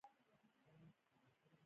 دوی ټولې نړۍ ته صادرات لري.